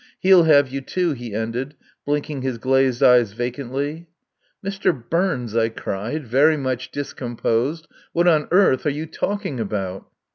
He'll have you, too," he ended, blinking his glazed eyes vacantly. "Mr. Burns," I cried, very much discomposed, "what on earth are you talking about?"